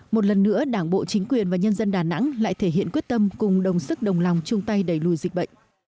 một lần nữa đảng bộ chính quyền và nhân dân đà nẵng lại thể hiện quyết tâm cùng đồng sức đồng lòng chung tay đẩy lùi dịch bệnh